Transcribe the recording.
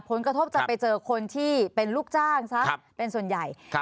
ผลกระทบจะไปเจอคนที่เป็นลูกจ้างซะเป็นส่วนใหญ่